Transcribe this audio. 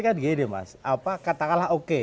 kan gini mas apa katakanlah oke